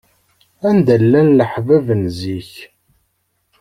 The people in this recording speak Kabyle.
Anda llan leḥbab n zik.